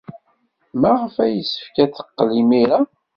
Maɣef ay yessefk ad teqqel imir-a?